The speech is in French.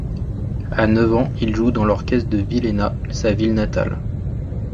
À neuf ans, il joue dans l'orchestre de Villena, sa ville natale.